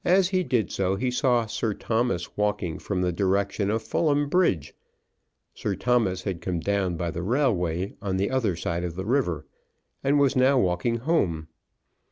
As he did so, he saw Sir Thomas walking from the direction of Fulham Bridge. Sir Thomas had come down by the railway on the other side of the river, and was now walking home.